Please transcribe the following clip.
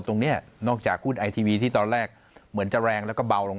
ตรงนี้นอกจากหุ้นไอทีวีที่ตอนแรกเหมือนจะแรงแล้วก็เบาลง